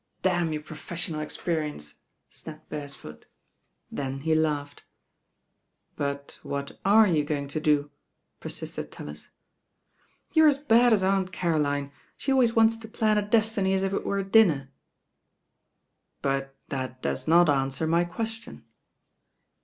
Damn your professional experience," snapped Beresford, then he laughed. ••But what are you going to do?" persisted Tallis. You re as bad as Aunt Caroline. She always wanto to plan a destiny as if it were a dinner." But that does not answer my question."